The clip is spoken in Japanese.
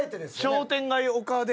商店街おかあ